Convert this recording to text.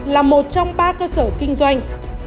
là một trong ba cơ sở kinh doanh